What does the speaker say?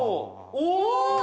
お！